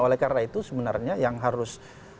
oleh karena itu sebenarnya yang harus